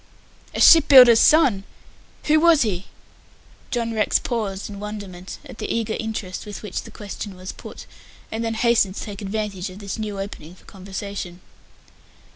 "A ship builder's son! Who was he?" John Rex paused in wonderment at the eager interest with which the question was put, and then hastened to take advantage of this new opening for conversation.